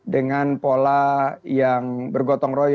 dengan pola yang bergotong